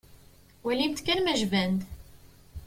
Walimt kan ma jban-d.